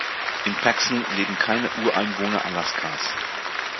In Paxson leben keine Ureinwohner Alaskas.